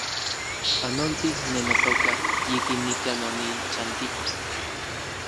Panolti, ne notoka, yikin nikan onichantiko